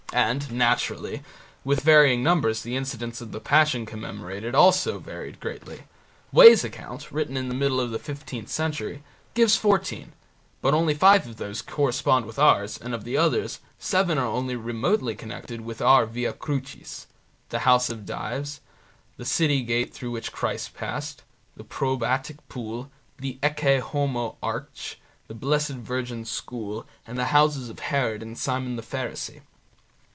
And, naturally, with varying numbers the incidents of the Passion commemorated also varied greatly. Wey's account, written in the middle of the fifteenth century, gives fourteen, but only five of these correspond with ours, and of the others, seven are only remotely connected with our Via Crucis: The house of Dives, the city gate through which Christ passed, the probatic pool, the Ecce Homo arch, the Blessed Virgin's school, andthe houses of Herod and Simon the Pharisee.